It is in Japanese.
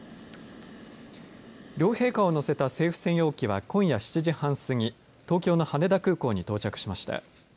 両陛下を乗せた政府専用機は今夜７時半過ぎ東京の羽田空港に到着しました。